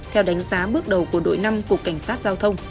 theo đánh giá bước đầu của đội năm cục cảnh sát giao thông